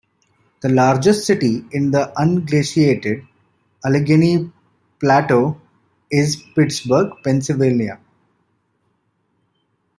The largest city in the Unglaciated Allegheny Plateau is Pittsburgh, Pennsylvania.